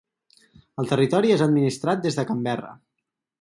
El territori és administrat des de Canberra.